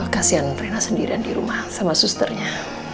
kasian rena sendirian di rumah sama susternya